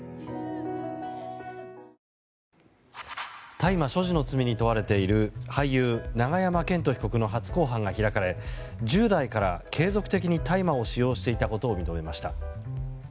大麻所持の罪に問われている俳優・永山絢斗被告の初公判が開かれ１０代から継続的に大麻を使用していたことを認めました。